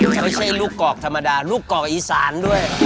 ไม่ใช่ลูกกอกธรรมดาลูกกอกอีสานด้วย